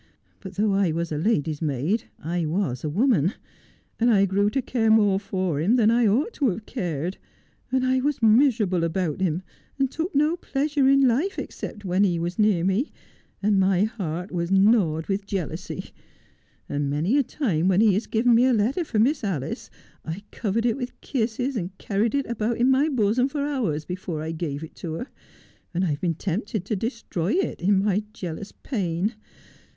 But though I was a ladys maid I was a woman, and I grew to care more for him than I ought to have cared, and I was miserable about him, and took no pleasure in life except when he was near me, and my heart was gnawed with jealousy ; and many a time when he has given me a letter for Miss Alice I have covered it with kisses, and carried it about in my bosom for hours before I gave it to her, and I've been tempted to destroy it in my jealous pain.